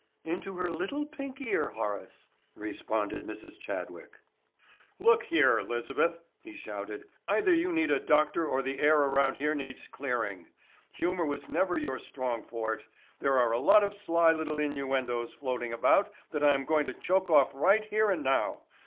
"Into her little pink ear, Horace," responded Mrs. Chadwick. "Look here, Elizabeth," he shouted, "either you need a doctor or the air around here needs clearing. Humor was never your strong forte. There are a lot of sly little innuendos floating about that I'm going to choke off right here and now.